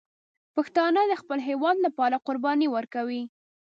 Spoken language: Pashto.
پښتانه د خپل هېواد لپاره قرباني ورکوي.